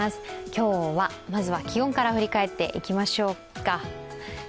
今日はまずは気温から振り返っていきましょうか。